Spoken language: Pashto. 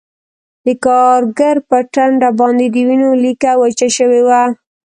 د کارګر په ټنډه باندې د وینو لیکه وچه شوې وه